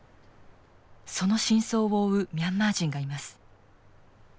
その真相を追うミャンマー人がいます。